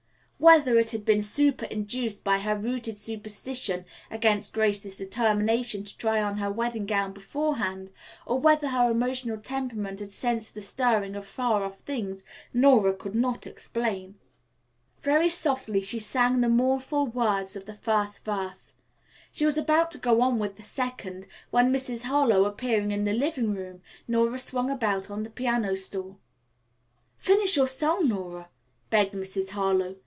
Whether it had been superinduced by her rooted superstition against Grace's determination to try on her wedding gown beforehand, or whether her emotional temperament had sensed the stirring of far off things, Nora could not explain. Very softly she sang the mournful words of the first verse. She was about to go on with the second when, Mrs. Harlowe appearing in the living room, Nora swung about on the piano stool. "Finish your song, Nora," begged Mrs. Harlowe.